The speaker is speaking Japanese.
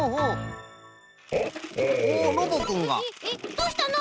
どうしたの？